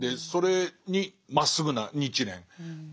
それにまっすぐな日蓮。